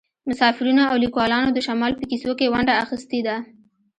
مسافرینو او لیکوالانو د شمال په کیسو کې ونډه اخیستې ده